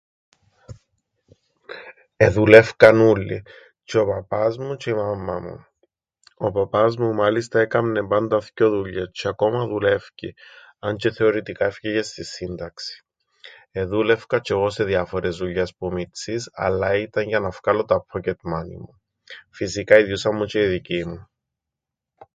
Εδουλεύκαν ούλλοι, τζ̆' ο παπάς μου τζ̆' η μάμμα μου. Ο παπάς μου μάλιστα έκαμνεν πάντα θκυο δουλειές, τζ̆ι ακόμα δουλεύκει, αν τζ̆αι θεωρητικά εφκήκεν στην σύνταξην. Εδούλευκα τζ̆ι εγώ σε διάφορες δουλειές που μιτσής, αλλά ήταν για να φκάλω τα ππόκετ μάνι μου. Φυσικά εδιούσαν μου τζ̆αι οι δικοί μου.